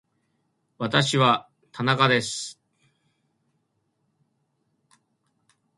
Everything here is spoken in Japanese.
私は田中です